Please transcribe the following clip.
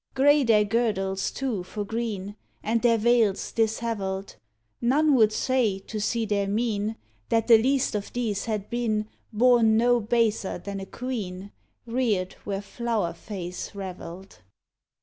Grey their girdles too for green, And their veils dishevelled: None would say, to see their mien, That the least of these had been Born no baser than a queen, Reared where flower fays revelled.